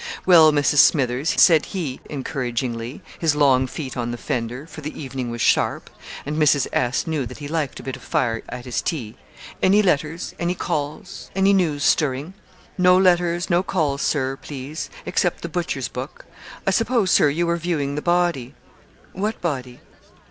'Well, Mrs. Smithers,' said he, encouragingly, his long feet on the fender, for the evening was sharp, and Mrs. S. knew that he liked a bit of fire at his tea 'any letters any calls any news stirring?' 'No letters, nor calls, Sir, please, except the butcher's book. I s'pose, Sir, you were viewing the body?' 'What body?'